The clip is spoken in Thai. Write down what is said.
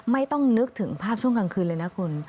ไม่ต้องนึกถึงภาพช่วงกลางคืนเลยนะคุณ